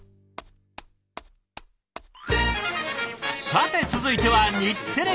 さて続いては日テレ局内へ。